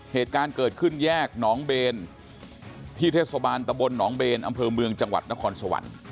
เหตุการณ์เกิดขึ้นแยกหนองเบนที่เทศบาลตะบลหนองเบนอำเภอเมืองจังหวัดนครสวรรค์